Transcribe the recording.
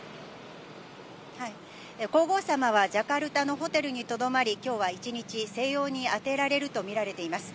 皇后さまは、ジャカルタのホテルにとどまり、きょうは１日、静養にあてられると見られています。